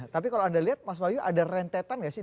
tapi kalau anda lihat mas wahyu ada rentetan gak sih